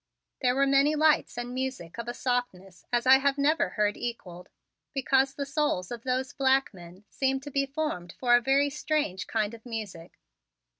There were many lights and music of a softness I have never heard equaled, because the souls of those black men seem to be formed for a very strange kind of music.